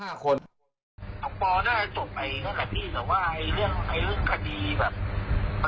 ออกปอล์น่าจะจบไว้กับพี่แต่ว่าเรื่องคดีแบบเรื่องอะไรอ่ะ